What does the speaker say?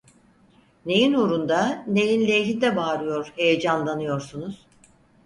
Neyin uğrunda, neyin lehinde bağırıyor, heyecanlanıyorsunuz?